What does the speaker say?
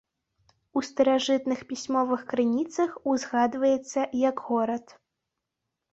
У старажытных пісьмовых крыніцах узгадваецца як горад.